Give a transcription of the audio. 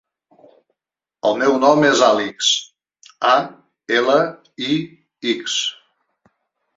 El meu nom és Alix: a, ela, i, ics.